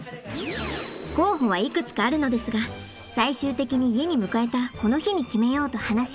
候補はいくつかあるのですが最終的に家に迎えたこの日に決めようと話し合っていました。